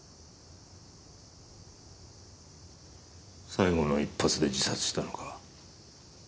最後の１発で自殺したのか？